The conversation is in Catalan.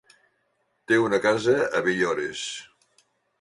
Té una casa a Villores.